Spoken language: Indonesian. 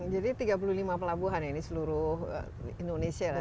jadi tiga puluh lima pelabuhan ya ini seluruh indonesia ya